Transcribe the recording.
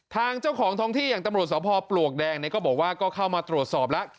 ทางเจ้าของท้องที่อย่างตำรวจสพปลวกแดงเนี่ยก็บอกว่าก็เข้ามาตรวจสอบแล้ว